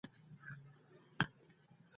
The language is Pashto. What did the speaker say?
سوداګر د موسمي بدلونونو لپاره پلان جوړوي.